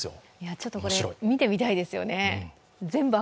ちょっとこれ、見てみたいですね